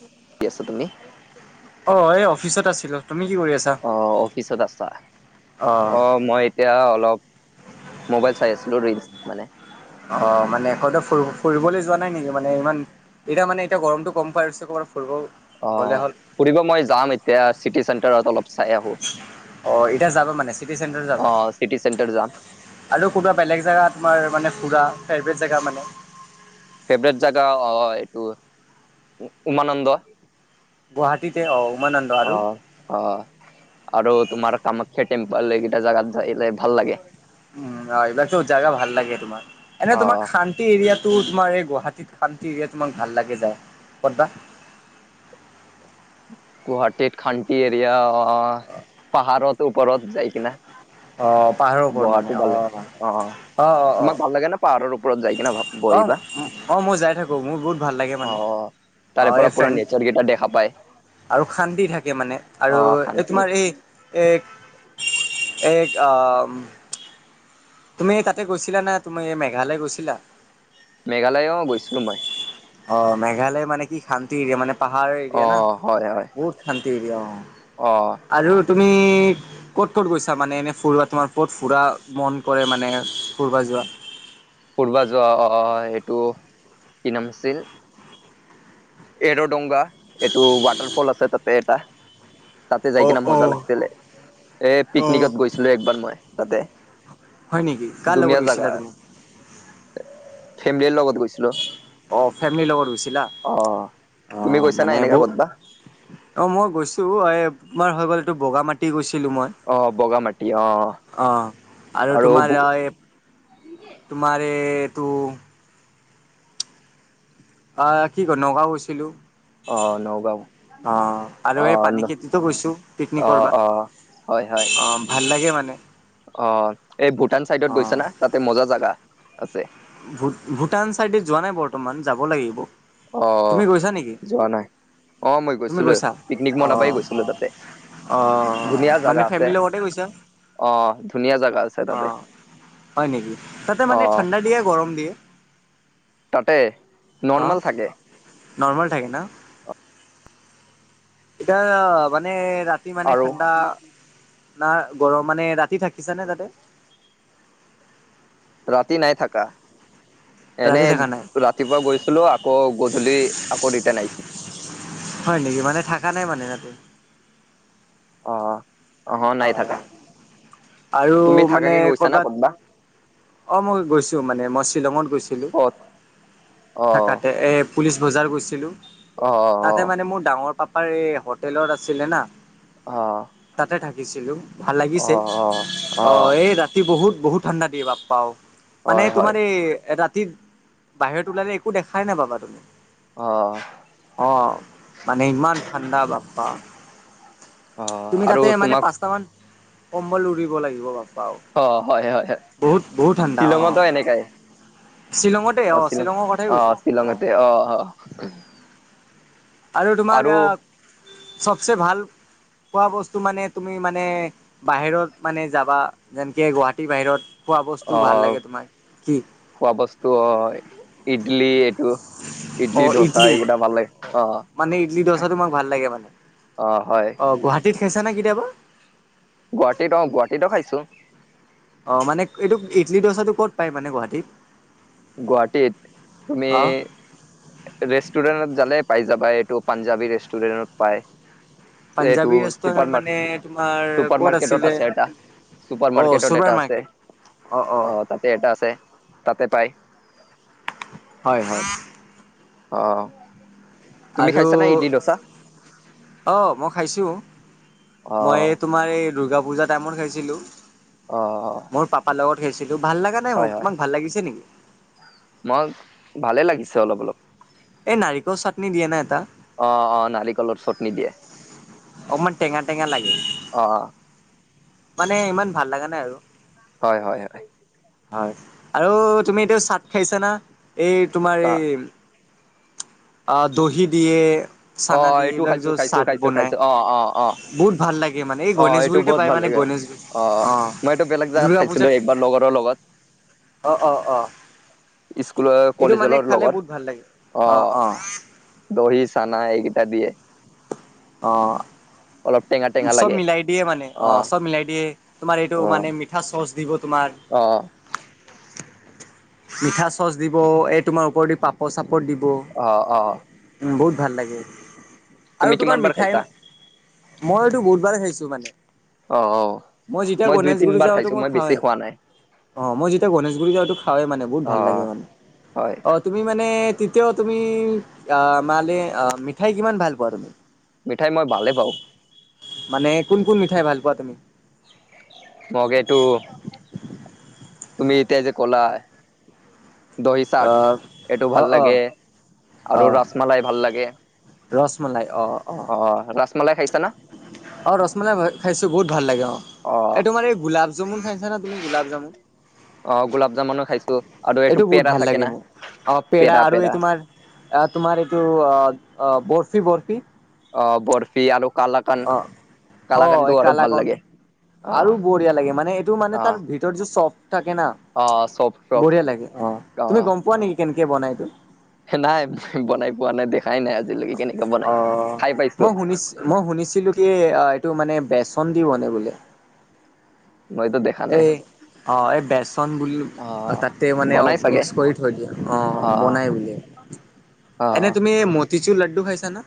কি কৈছা তুমি? অ এই অফিচত আছিলোঁ। অ অফিচত আছা। অ মই এতিয়া অলপ। মোবাইল চাই আছিলো ৰিলচ মানে। অ' মানে এখনতে ফু-ফুৰিবলৈ যোৱা নাই নেকি? মানে ইমান, এতিয়া মানে এতিয়া গৰমতটো কম পাইছে। ফুৰিব অ গ'লে হ'ল ফুৰিব মই যাম এতিয়া। চিটি চেণ্টাৰত অলপ। চাই আহো। অ এতিয়া যাবা মানে? চিটি চেণ্টাৰ যাবা? অ' চিটি চেণ্টাৰ যাম। আৰু কোনোবা বেলেগ জেগা, তোমাৰ মানে ফুৰা, ফেভৰেট জেগা মানে। ফেভৰেট জেগা অ' এইটো উমানন্দ। গুৱাহাটীতে অ'। উমানন্দ আৰু অ', অ', আৰু তোমাৰ কামাখ্যা টেম্পল এইকেইটা জাগাত জাইলে ভাল লাগে। উম, অ' এইবিলাক জাগা ভাল লাগে তোমাৰ, এনে তোমাৰ অ' খান্তি এৰিয়াত [unintelligible] তোমাৰ এই গুৱাহাটীত খান্তি এৰিয়াত তোমাৰ ভাল লাগে যায় ক'তবা। গুৱাহাটীত খানটি এৰিয়া অ' পাহাৰত ওপৰত যায় কিনে। অ পাহাৰৰ ওপৰত মানে বহাটো অ ভালে অ', অ', তোমাক ভাল লাগে ন' পাহাৰৰ ওপৰত যাই কিনে অ অ বহিবা, অ মই যাই থাকো মোৰ বহুত ভাল লাগে অ', মানে অ'। তাৰে অ' এই পৰা পোৱা ফ্ৰেণ্ড নেচাৰ কেইটা দেখা পায়। আৰু শান্তি থাকে মানে আৰু এ শান্তি তোমাৰ এ এক এক অম তুমি তাতে গৈছিলা না তুমি মেঘালয় গৈছিলা? মেঘালয় অ' গৈছিলোঁ মই। অ' মেঘালয় মানে কি শান্তিৰ এৰিয়া মানে পাহাৰৰ অ এৰিয়া না হয় হয় বহুত শান্তি এৰিয়া অ' আৰু তুমি [unintelligible] ক'ত ক'ত গৈছা মানে এনে ফুুৰবা তোমাৰ ক'ত ফুৰা মন কৰে মানে ফুৰবা যোৱা। ফূৰবা যোৱা অ' সেইটো, কি নাম আছিল। এৰ'ডংগা এইটো ৱাটাৰফল আছে তাতে এটা। তাতে যাই অ' কিনে মজা অ' লাগিছিলে, এ অ'। পিকনিকত গৈছিলোঁ একবাৰ মই তাতে। হয় নেকি, কাৰ ধুনীয়া লগত জাগা গৈছিলা তুমি? ফেমিলিৰ লগত গৈছিলোঁ। অ' ফেমিলিৰ লগত গৈছিলা। তুমি অ' গৈছা না মানে এনেকা ব- ক'তবা অ' মই গৈছোঁ এই [unintelligible] হৈ গ'ল এইটো বগামাটি গৈছ [unintelligible] অ বগামাটি অ অ' আৰু তোমাৰ এ এই তোমাৰ এটো। অ' কি কয় নগাওঁ গৈছিলোঁ। অ নগাঁও অ' আৰু অ এই পানী খেতিতো গৈছোঁ পিকনি অ কৰবা। অ হয় হয় অ' ভাল লাগে মান অ' এই ভূটান চাইডত গৈছে না তাতে মজা জাগা আছে। ভূ ভূটান চাইডে যোৱা নাই বৰ্তমান যাব লাগিব। তুমি অ' গৈছা নেকি? যোৱা নাই। অ'' মই তুমি গৈছিলোঁ, গৈছা? পিকনিক মনবাই অ', গৈছিলোঁ তাতে। অ', ধুনীয়া মানে জাগা আছে, ফেমিলিৰ লগতে গৈছা? অ' ধুনীয়া জাগা আছে তাতে। অ', হয় নেকি, তাতে অ মানে ঠাণ্ডা দিয়ে গৰম দিয়ে। তাতে অ', নৰ্মেল থাকে। নৰ্মেল থাকে ন'। এতিয়া মানে ৰাতি মানে আৰু ঠাণ্ডা। না গৰম মানে ৰাতি থাকিছা নে তাতে। ৰাতি নাই থাকা। ৰাতি এনেই থাকা নাই? ৰাতিপুৱা গৈছিলোঁ আকৌ গধূলি আকৌ ৰিটাৰ্ণ আহিছোঁ। হয় নেকি মানে থাকা নাই মানে তাতে। অ'। নাই অ', থাকা অ', আৰু তুমি মানে থাকাকে গৈছা না কৰ'বাত। ক'তবা অ' মই গৈছোঁ মানে মই শ্বিলঙত গৈছিলোঁ। ক'ত অ থাকাতে এ পুলিচ বজাৰ গৈছিলোঁ, অ অ তাতে মানে মোৰ ডাঙৰ পাপাৰ এই হোটেলত আছিলে না। অ'। থাকিছিলোঁ ভাল অ লাগিছে, অ' এই ৰাতি বহুত বহুত ঠাণ্ডা দিয়ে বাপ্পাওঁ। মানে হয় হয় তোমাৰ এই ৰাতি, বাহিৰত ওলালে একো দেখাই নাপাবা তুমি। অ অ', মানে ইমান ঠাণ্ডা বাপ্পা। অ', তুমি আৰু তাতে মানে তোমাক পাঁচটা মান কম্বল উৰিব লাগিব বা অ হয় হয় হয় বহুত বহুত ঠাণ্ডা, অহ। শ্বিলঙতো এনেকাই শ্বিলঙতেই, অ'। শ্বিলং শ্বিলঙৰ কথাই অ কৈছো অ'। শ্বিলঙতে অ আৰু তোমাক অহ, চবচে ভাল খোৱা বস্তু মানে তুমি মানে বাহিৰত মানে যাবা, যেনেকে গুৱাহাটীৰ বাহিৰত। [unintelligible] বস্তুও ভাল আহ লাগে তোমাৰ। কি খোৱা বস্তু অ' অ', ইডলি এইটো। ইডলি, ড'চা এইগিটা ভাল লাগে, অহ। মানে ইডলি দ'চা তোমাক ভাল লাগে মানে, অ হয় অ', গুৱাহাটীত খাইছা নে কেতিয়াবা? গুৱাহাটীত অ', গুৱাহাটীতো খাইছো। অ', মানে এইটো ইডলি ড'চাটো ক'ত পায় মানে গুৱাহাটীত? গুৱাহাটীত? তুমি অ ৰেষ্টুৰেণ্টত জালে পাই যাবা, এইটো পাঞ্জাবী ৰেষ্টুৰেণ্টত পায়। এইটো পাঞ্জাবী ৰেষ্টুৰেণ্ট চুপাৰ মাৰ, মানে তোমাৰ চুপাৰ ক'ত মাৰ্কেটত আছিলে আছে এটা। চুপাৰ অ মাৰ্কেটত চুপাৰ এটা আছে, মাৰ্কেট অ', তাতেই এটা আছে, তাতেই পাই। হয় হয় অ', তুমি আৰু খাইছা না ইডলি ড'চা। অ', মই খাইছোঁ, অ মই তোমাৰ এই দুৰ্গা পূজা টাইমত খাইছিলোঁ। অ', অ'। ছিলোঁ, ভাল লগা নাই মোক, তোমাক ভাল লাগিছে নেকি? মই, ভালেই লাগিছে অলপ অলপ। নি দিয়েনা এটা। অ', অ', নাৰিকলৰ চাটনি দিয়ে। অকমান টেঙা টেঙা লাগে, অ অ মানে ইমান ভাল লাগা নাই আৰু। হয়, হয়, হয়। হয় আৰু তুমি এইটো চাট খাইছা না, এই তোমাৰ চাহ, এই অহ, দহি দিয়ে। অ চানা দিয়ে, এইটো এইবিলাক খাইছো য'ত খাইছো চাত খাইছো বনাই, খাইছো অ অ অ বহুত ভাল লাগে মানে, এই অ এইটো গনেশগুৰিতে বহুত পায় ভাল মানে লাগে গণেশগুৰি, অ মই এইটো বেলেগ অ', জেগাত দুৰ্গা খাইছিলো পূজাত একবাৰ লগৰৰ লগত অ', অ', অ'। স্কুলৰ এইটো মানে কলেজৰ খালে লগত, বহুত ভাল লাগে। অ', দহি, চানা কেইটা দিয়ে। অহ। অলপ টেঙা টেঙা চব লাগে মিলাই দিয়ে মানে, অ', চব মিলাই দিয়ে, তোমাৰ এইটো অ মানে মিঠা চ'চ দিব তোমাৰ। মিঠা চ'চ দিব, এই তোমাৰ ওপৰদি পাপাৰ চাপ [unintelligible] দিব, অ অ বহুত ভাল লাগে। আৰু তুমি তোমাৰ কিমান বাৰ মিঠাই, খাইছা মই এইটো বহুতবাৰ খাইছো মানে। অ অ মই যেতিয়া দুই গণেশগুৰি তিনবাৰ যাওঁ, সেইটো খাইছো মই বেছি খাওঁৱেই। খোৱা নাই অ', মই যেতিয়া গণেশগুৰি যাওঁ, এইটো খাওঁৱেই মানে বহুত অ ভাল লাগে মানে, হয় অ', তুমি মানে তেতিয়াও তুমি, অ', মালে মিঠাই কিমান ভাল পোৱা তুমি? মিঠাই মই ভালেই পাওঁ। মানে কোন কোন মিঠাই ভাল পোৱা তুমি? মগ এইটো। তুমি এতিয়া যে ক'লা? দহিচাট অ এইটো অ ভাল অ লাগে আৰু ৰসমালাই ভাল লাগে। ৰচমলাই। অ', ৰাচমলাই খাইছা ন। অ', ৰচমলাই খাইছো, বহুত ভাল লাগে অ'। এই তোমাৰ এই গোলাপ জামুন খাইছা না তুমি? গোলাপ জামুন। অ', গোলাপ জামুনো খাইছো আৰু এইটো বহুত পেৰা ভাল থাকে লাগে না মোৰ। অ' পেৰা আৰু এই তোমাৰ আহ তোমাৰ এইটো অ' অ', বৰ্ফি বৰ্ফি! অ', বৰফি আৰু কালাকান অ', কালাকানটো অ', আৰু ভাল কালাগন। লাগে অ আৰু বঢ়িয়া লাগে মানে এইটো মানে অ তাৰ ভিতৰত যে চফ থাকে না অ চব চব বঢ়িয়া লাগে না। অ তুমি গ'ম পোৱা নেকি কেনেকে বনাই এইটো? নাই বনাই পোৱা নাই দেখ অ', পাইছো মই শুনিছ মই শুনিছিলো কি অ' এইটো মানে বেচন দি বনাই বোলে। মইতো দেখা নাই। এই অ', এই বেচন বুলি অ তাতে মানে বনাই চাগে মিক্স কৰি থৈ দিয়া অ' বনাই বোলে। অ এনে তুমি মতিচুৰ লাডু খাইছা না?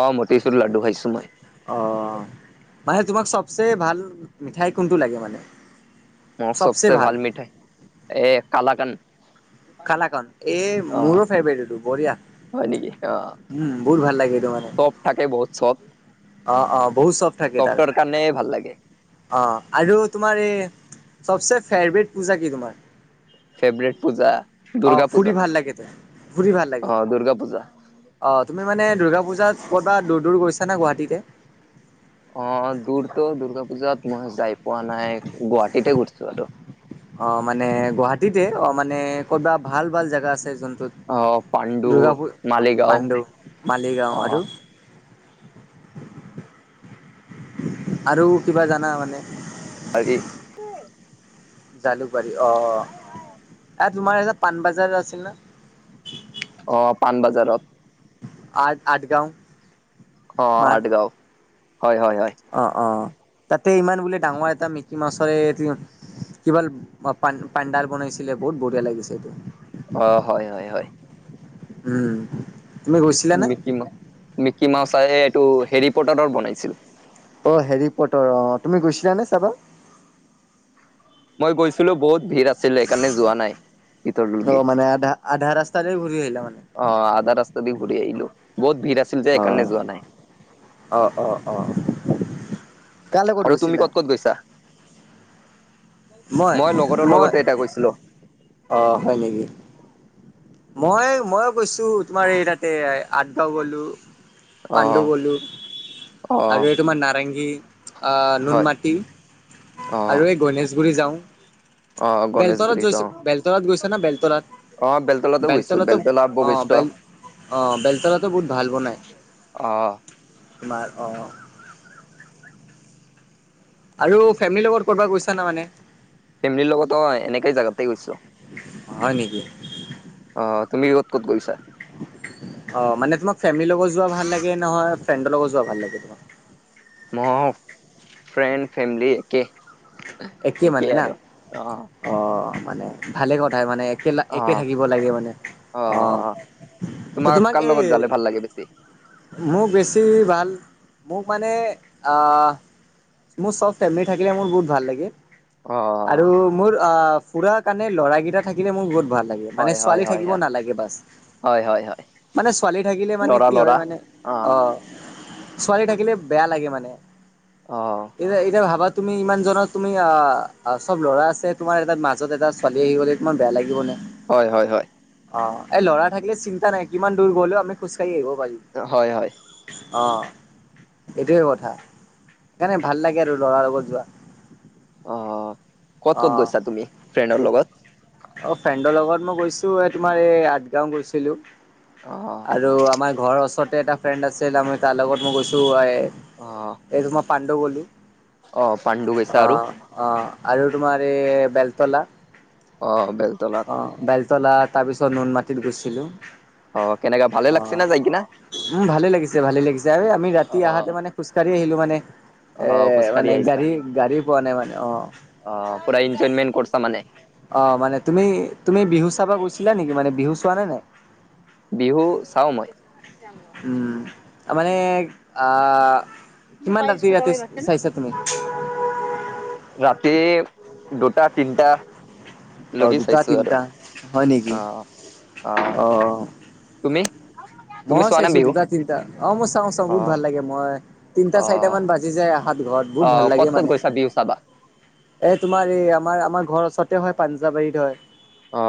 অ', মতিছো লাডু খাইছো মই। অ', মানে তোমাক চবচে ভাল মিঠাই কোনটো লাগে মানে? মোৰ চবচে ভাল মিঠাই এ কালাকান। কালাকন এই অ মোৰো ফেভাৰট এইটো বঢ়িয়া। হয় নেকি অ'। উম, বহুত ভাল লাগে এইটো মানে চফ থাকে বহুত চফ। অ', অ', বহুত চব থাকে তাৰ। চফৰ কাৰণে ভাল লাগে অ', আৰু তোমাৰ এই চবচে ফেভৰেট পূজা কি তোমাৰ? ফেভৰেট পূজা আহ দুৰ্গা ফুৰি পূজা ভাল লাগে তই ফুৰি ভাল লাগে। অ দুৰ্গা পূজা অ', তুমি মানে দুৰ্গা পূজাত ক'বাত দূৰ দূৰ গৈছা নে গুৱাহাটীতে? অ', দূৰতো দুৰ্গা পূজাত মই যাই পোৱা নাই গুৱাহাটীতে ঘৰিছো আৰু। অ', মানে গুৱাহাটীতে অ' মানে ক'বা ভাল ভাল জেগা আছে যোনটোত অ পাণ্ডু দূৰ্গা পূ মালিগাঁও পাণ্ডো মালিগাঁও অ আৰু? আৰু কিবা জানা মানে? [inaudible] জালুকবাৰী অ'। এ তোমাৰ এটা পাানবাজাৰ আছিল ন। অ', পাণবজাৰত। আ-আঠগাঁও। অ', আঠগাঁও। হয় হয় হয় অ', অ', তাতে ইমান বোলে ডাঙৰ এটা মিকি মাউছৰে কিবা প-পাণ্ডাল বনাইছিলে বহুত বঢ়িয়া লাগিছে এইটো। অ', হয়, হয়, হয়। উম, তুমি গৈছিলানে? কিমা চাই এইটো হেৰি পটাৰৰ বনাইছিলো। অ', হেৰি পটাৰৰ অ'। তুমি গৈছিলানে চাবা? মই গৈছিলো বহুত ভিৰ আছিলে সেইকাৰণে যোৱা নাই। অ ভিতৰদি মানে আধা আধা ৰাস্তাতে ঘূৰি আহিলা মানে অ' আধা ৰাস্তা দি ঘৰি আহিলো বহুত ভিৰ আছিল যে অ এই কাৰণে যোৱা নাই। অ', অ', অ'। কাৰ লগত আৰু তুমি গৈছিলা ক'ত ক'ত গৈছা? মই লগতৰ মই লগতে এটা কৈছিলোঁ। অ', হয় নেকি? মই মই কৈছো তোমাৰ এই তাতে আঠগাঁও গ'লো। পাণ্ডু অ গ'লো। আৰু অ', এই তোমাৰ নাৰেংগী হয় নুনমাটি অ', আৰু গণ ৰি যাওঁ অ', বেলতলত গণেশগুৰিত গৈছো অ', বেলতলত গৈছা নে বেলতলত। অ', বেলতলাতো গৈছো বেলতলাাতো বেলতলা অ' বশিষ্ঠ বেল অ' বেলতলাাতো বহুত ভাল বনাই। আহ। বোমাৰ অ'। আৰু ফেমিলিৰ লগত কৰব গৈছা না মানে? ফেমিলিৰ লগত অ' এনেকে জাগাতে গৈছো। হয় নেকি? অ' তুমি ক'ত ক'ত গৈছা? [inaudible] অ' মানে তোমাক ফেমিলিৰ লগত যোৱা ভাল লাগে নহয় ফ্ৰেণ্ডৰ লগত যোৱা ভাল লাগে? ম, ফ্ৰেড ফেমিলি একে। একে মানে একেই না, আৰু অ', অ' মানে ভালে কথাই মানে একো একে অ', থাকিব লাগে মানে, অ'। ত' তোমাক কাৰ এই লগত যালে ভাল লাগে বেছি? মোক বেছি ভাল, মোক মানে মোৰ চব ফেমিলি থাকিলে মোৰ বহুত ভাল লাগে। অ', আৰু মোৰ আহ ফুৰা কাৰণে লৰাৰাকেইটা থাকিলে মোৰ বহুত ভাল। লাগে হয় মানে হয় ছোৱালী হয় থাকিব হয় নালাগে বাছ। হয় হয় হয় মানে ছোৱালী থাকিলে মানে ল'ৰা কি হয় ল'ৰা মানে, অ'। ছোৱালী থাকিলে বেয়া লাগে মানে, অ', এতিয়া এতিয়া ভাবা তুমি ইমান জত তুমি আ চব ল'ৰা আছে তোমাৰ এটা মাজত এটা ছোৱালী আহি গলে তোমাৰ বেয়া লাগিব নে? হয় হয় হয়। অ' এই লৰা থাকিলে চিন্তা নাই কিমান দূৰ গ'লেও আমি খোজকাঢ়ি আহিব অ'। হয় হয় এইটোৱে কথা, সেইকাৰণে ভাল লাগে আৰু লৰাৰ লগত যোৱা। আহ ক'ত ক'ত অ', গৈছা তুমি ফ্ৰেণ্ডৰ লগত? অ' ফ্ৰেণ্ডৰ লগত মই গৈছোঁ এ তোমাৰ এই আঠগাও গৈছিলোঁ। অ', আৰু আমাৰ ঘৰৰ ওচৰতে এটা ফ্ৰেণ্ড আছিল আমি তাৰ লগত মই গৈছো অ', এ এইটো মই পাণ্ড গলো পাণ্ডু গৈছা আৰু অ' অ'। আৰু তোমাৰ এই বেলতলা। অ' বেলটলাত। উতলা তাৰ পিছত নুনমাটিত গৈছিলোঁ। অ' কেনেকা ভালে লাগছে অ'। না যাই কিনা? উম ভালে লাগিছে ভালে লাগিছে এই আমি ৰাতি আহাতে মানে খোজকাঢ়ি আহিলো মানে এ আহ খোজ কঢ়ি মানে আহিছা, গাড়ী গাড়ী পোৱা নাই মানে অ'। আহ পুৰা এনজয়মেট কৰিছা মানে? অ' মানে তুমি তুমি বিহু চাবা গৈছিলা নেকি, মানে বিহু চোৱা নে নাই? বিহু চাওঁ মই। উম তাৰমানে আহ কিমান ৰাতি ৰাতি চাইছা তুমি? ৰাতি দুটা তিনিটা অ' লগি দুটা চাইছো আৰু, তিনটা হয় নেকি? আহ আহ তুমি? তুমি মইয়ো চোৱা নে চাইছো বিহু দুটা তিনিটা, অ' মই চাওঁ চাওঁ অ বহুত ভাল লাগে মই তিনিটা অ চাৰিটা মান বাজি যায় আহাত। ঘৰত বহুত অ ভাল লাগে ক'ত ক'ত মানে, গৈছা বিহু চাবা এ তোমাৰ এই আমাৰ আমাৰ ঘৰ ওচৰতে হয় পাঞ্জাবাৰীত হয়। অ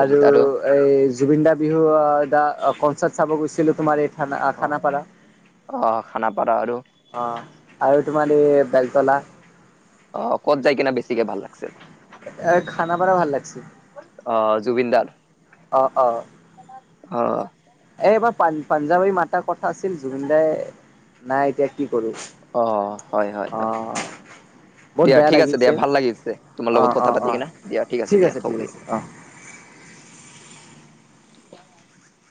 আৰু এই জুবিন দা বিহু দা কনচাৰ্ট হৈছিলে তোমাৰ এ খানা অ খানাপাৰা, অ খানাপাৰা আৰু অ'। তোমাৰ এই বেলতলা। অ' ক'ত যায় কি না বেছিকে ভাল লাগছে? খানাপাৰা ভাল লাগছে। অ' জুবিন দাৰ। অ' অ'। অ'। এ এইবাৰ পাঞ্জাবাৰীত মাতাৰ কথা আছিল জুবিনদাই নাই এতিয়া কি অ' অ হয় হয় হয় বহুত দিয়া বেয়া ঠিক আছে দিয়া লাগিছে। অ', ভাল লাগিছে তোমাৰ লগত কথা অ', পাতি অ', কিনা দিয়া ঠিক দিয়া আছে থ'ব ঠিক দিয়া। আছে অ'। [inaudible] [inaudible]